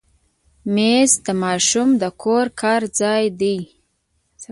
مېز د ماشوم د کور کار ځای دی.